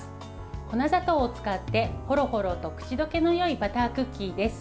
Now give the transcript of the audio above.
粉砂糖を使ってほろほろと口どけのよいバタークッキーです。